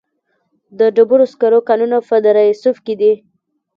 د ډبرو سکرو کانونه په دره صوف کې دي